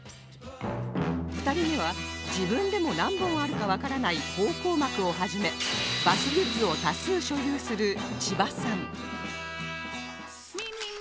２人目は自分でも何本あるかわからない方向幕を始めバスグッズを多数所有する千葉さん